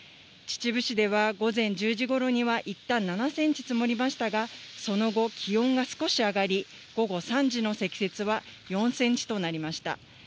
秩父市では、午前１０時ごろにはいったん７センチ積もりましたが、その後、気温が少し上がり、午後３時の積雪は４センチとなりました。